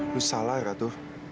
lo salah ratu